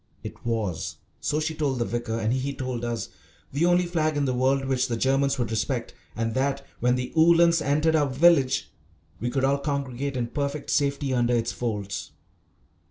It was, so she told the vicar, and he told us, the only flag in the world which the Germans would respect, and that when the Uhlans entered our village we could all congregate in perfect safety under its folds.